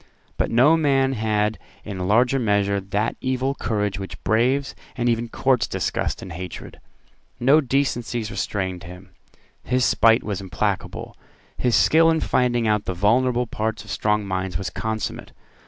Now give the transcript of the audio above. But no man had in larger measure that evil courage which braves and even courts disgust and hatred. No decencies restrained him: his spite was implacable: his skill in finding out the vulnerable parts of strong minds was consummate.